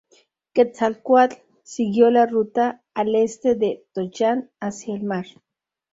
Quetzalcóatl siguió la ruta al este de Tollan hacia el mar.